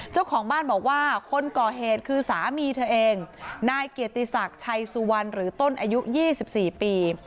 เจ้าของบ้านบอกว่าคนก่อเหตุคือสามีเธอเองนายเกียรติศักดิ์ชัยสุวรรณหรือต้นอายุ๒๔ปี